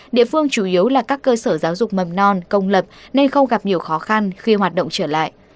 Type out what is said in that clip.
địa phương chủ yếu là các cơ sở giáo dục mầm non công lập nên không gặp nhiều khó khăn khi hoạt động trở lại